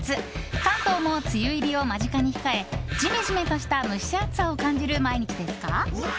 関東も梅雨入りを間近に控えジメジメとした蒸し暑さを感じる毎日ですが。